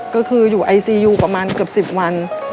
ก็คืออยู่ไอซียูประมาณเกือบ๑๐วัน